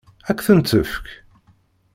Ad k-ten-tefk?